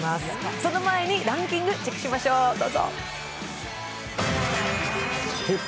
その前にランキングチェックしましょう、どうぞ。